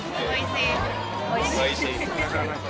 おいしい？